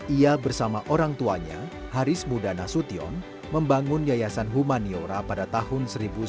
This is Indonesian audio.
ia bersama orang tuanya haris budana sution membangun yayasan humaniora pada tahun seribu sembilan ratus delapan puluh tiga